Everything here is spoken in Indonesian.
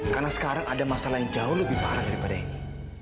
karena sekarang ada masalah yang jauh lebih parah daripada ini